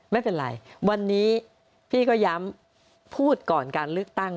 ไม่เป็นไรวันนี้พี่ก็ย้ำพูดก่อนการเลือกตั้ง